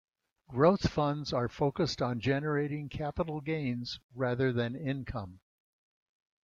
Growth funds are focused on generating capital gains rather than income.